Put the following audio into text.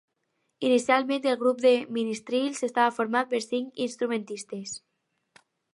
Inicialment el grup de ministrils estava format per cinc instrumentistes.